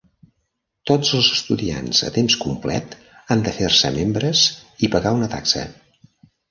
Tots els estudiants a temps complet han de fer-se membres i pagar una taxa.